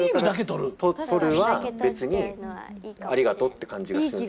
取るは別にありがとうって感じがする。